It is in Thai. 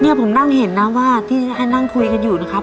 ผมนั่งเห็นนะว่าที่ให้นั่งคุยกันอยู่นะครับ